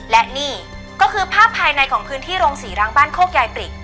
และนี่ก็คือภาพภายในของพื้นที่โรงศรีรังบ้านโคกยายปริก